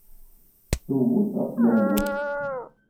Twet apyanu.